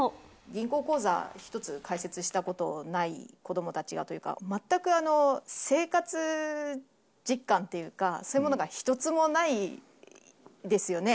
銀行口座１つ開設したことない子どもたちがというか、全く生活実感というか、そういうものが一つもないですよね。